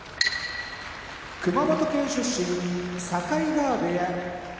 熊本県出身境川部屋